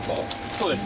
そうです。